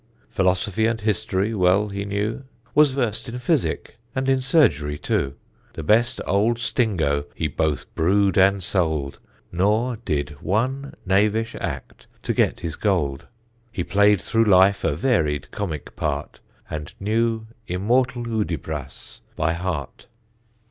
Philosophy and history well he knew, Was versed in Physic and in surgery too, The best old Stingo he both brewed and sold, Nor did one knavish act to get his gold. He played through life a varied comic part, And knew immortal Hudibras by heart.